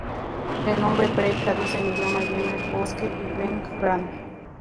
El nombre ""Prey"" traduce en Idioma jemer "Bosque" y ""Veng"", "Gran".